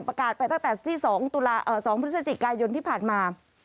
ประกาศไปตั้งแต่ที่๒พฤศจิกายนที่ผ่านมา